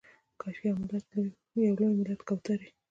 کاشکي یو لوی ملت کوترې